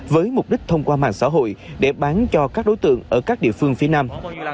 với mục đích thông qua mạng xã hội để bán cho các đối tượng ở các địa phương phía nam